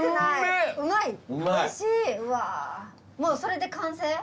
もうそれで完成？